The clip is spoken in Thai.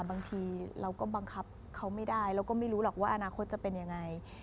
บางทีเราก็บังคับเขาไม่ได้เราก็ไม่รู้หรอกว่าอนาคตจะเป็นยังไง